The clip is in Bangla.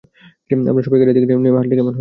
আমরা সবাই গাড়ি থেকে নেমে হাঁটলে কেমন হয়?